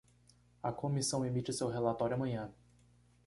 A comissão emite seu relatório amanhã